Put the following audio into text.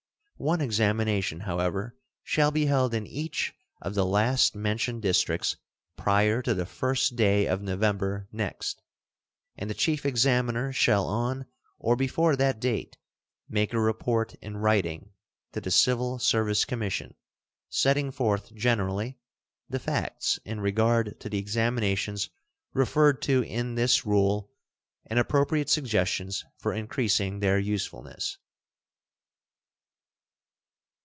One examination, however, shall be held in each of the last mentioned districts prior to the 1st day of November next, and the chief examiner shall on or before that date make a report in writing to the Civil Service Commission, setting forth generally the facts in regard to the examinations referred to in this rule and appropriate suggestions for increasing their usefulness.